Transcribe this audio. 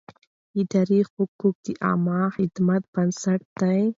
اداري حقوق د عامه خدمت بنسټ دی.